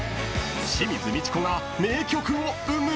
［清水ミチコが名曲を生む？］